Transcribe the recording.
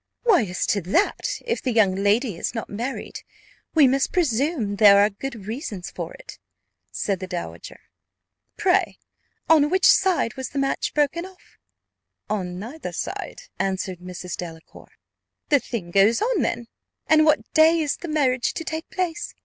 "Why, as to that, if the young lady is not married, we must presume there are good reasons for it," said the dowager. "Pray, on which side was the match broken off?" "On neither side," answered Mrs. Delacour. "The thing goes on then; and what day is the marriage to take place?"